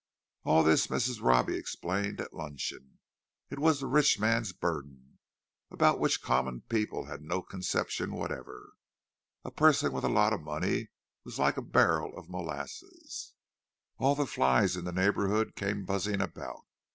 All this Mrs. Robbie explained at luncheon; it was the rich man's burden, about which common people had no conception whatever. A person with a lot of money was like a barrel of molasses—all the flies in the neighbourhood came buzzing about.